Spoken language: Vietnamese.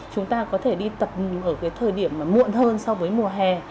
chúng ta có thể đi tập ở thời điểm muộn hơn so với mùa hè